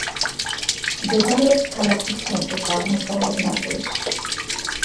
მდებარეობს ქალაქის ცენტრის აღმოსავლეთ ნაწილში.